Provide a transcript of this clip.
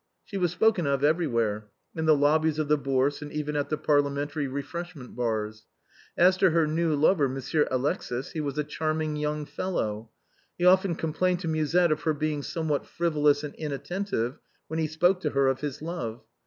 She was spoken of everywhere — in the lobbies of the Bourse, and even at the parliamentary refreshment bars. As to her new lover, Monsieur Alexis, he was a charming young fellow. He often complained to Musette of her being somewhat frivolous and inattentive when he spoke to her of his love.